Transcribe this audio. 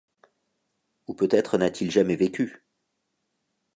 Ou peut-être n’a-t-il jamais vécu.